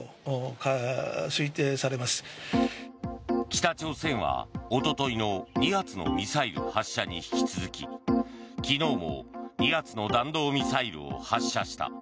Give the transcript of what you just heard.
北朝鮮はおとといの２発のミサイル発射に引き続き昨日も２発の弾道ミサイルを発射した。